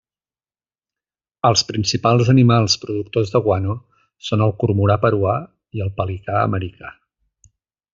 Els principals animals productors de guano són el cormorà peruà i el pelicà americà.